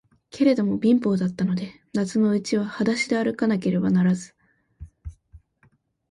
けれども、貧乏だったので、夏のうちははだしであるかなければならず、